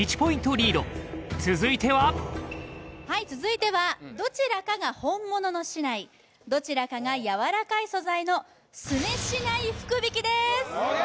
リード続いては続いてはどちらかが本物の竹刀どちらかがやわらかい素材のすね竹刀福引きです